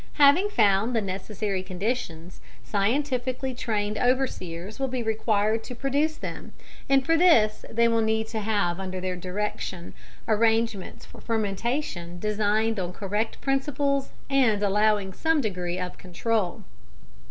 Having found the necessary conditions, scientifically trained overseers will be required to produce them, and for this they will need to have under their direction arrangements for fermentation designed on correct principles and allowing some degree of control.